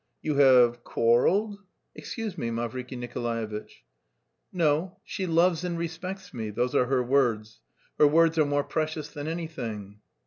"You have... quarrelled? Excuse me, Mavriky Nikolaevitch." "No, she 'loves and respects me'; those are her words. Her words are more precious than anything."